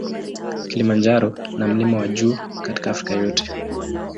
Kilimanjaro na mlima wa juu katika Afrika yote.